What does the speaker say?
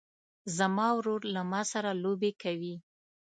زما ورور له ما سره لوبې کوي.